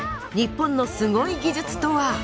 日本のスゴイ技術とは？